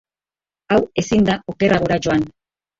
Hau ezin da okerragora joan.